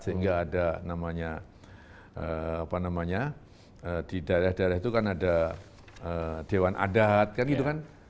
sehingga ada namanya apa namanya di daerah daerah itu kan ada dewan adat kan gitu kan